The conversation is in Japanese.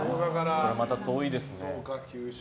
それはまた遠いですね。